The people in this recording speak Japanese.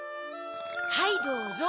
はいどうぞ。